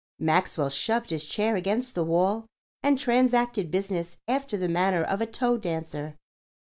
Maxwell shoved his chair against the wall and transacted business after the manner of a toe dancer.